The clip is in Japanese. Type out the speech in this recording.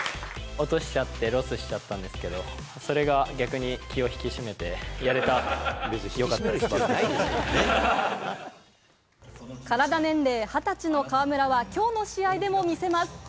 落としちゃってロスしちゃったんですけど、それが逆に気を引き締めてやれたですしよかったです、バスケしてて。の試合でも見せます。